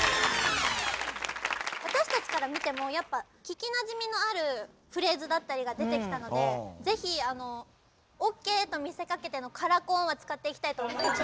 私たちから見てもやっぱ聞きなじみのあるフレーズだったりが出てきたのでぜひ「ＯＫと見せかけてのカラコン」は使っていきたいと思います。